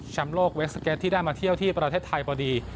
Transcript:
โลกเวสเก็ตที่ได้มาเที่ยวที่ประเทศไทยพอดี